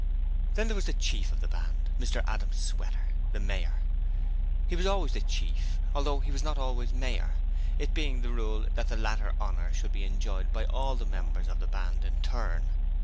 Then there was the Chief of the Band Mr Adam Sweater, the Mayor. He was always the Chief, although he was not always Mayor, it being the rule that the latter 'honour' should be enjoyed by all the members of the Band in turn.